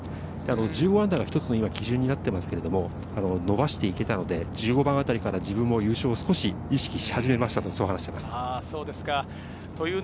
−１５が一つ基準になっていますが、伸ばしていけたので１５番あたりから自分も優勝を少し意識し始めましたと話しています。